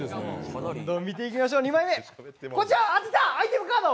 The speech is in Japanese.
どんどん見ていきましょう２枚目、こちらアイテムカード。